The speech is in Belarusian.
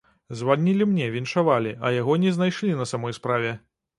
Званілі мне, віншавалі, а яго не знайшлі на самой справе.